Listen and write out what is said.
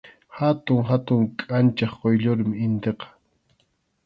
Hatun hatun kʼanchaq quyllurmi initiqa.